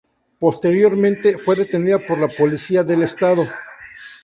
Posteriormente, fue detenida por la policía del Estado.